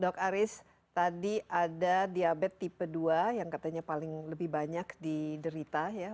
dok aris tadi ada diabetes tipe dua yang katanya paling lebih banyak diderita ya